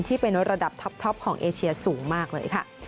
ที่เป็นระดับท็อปของเอเชียสูงมากเลยค่ะ